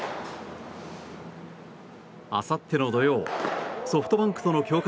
あさっての土曜ソフトバンクとの強化